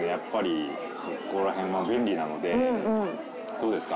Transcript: どうですか？